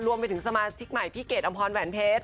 รวมไปถึงสมาชิกใหม่พี่เกดอำพรแหวนเพชร